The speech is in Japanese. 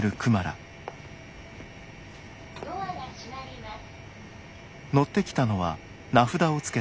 「ドアが閉まります」。